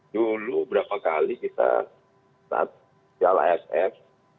dulu berapa kali kita saat piala aff